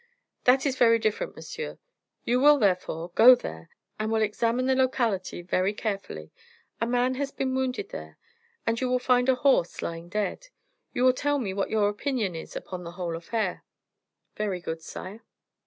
"That is very different, monsieur. You will, therefore, go there, and will examine the locality very carefully. A man has been wounded there, and you will find a horse lying dead. You will tell me what your opinion is upon the whole affair." "Very good, sire."